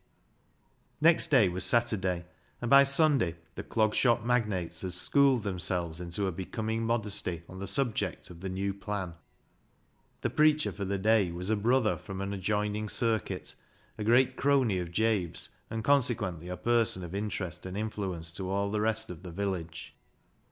Next day was Saturday, and by Sunday the Clog Shop magnates had schooled themselves into a becoming modesty on the subject of the new plan. The preacher for the day was a brother from an adjoining circuit, a great crony of Jabe's, and consequently a person of interest and influence to all the rest of the village.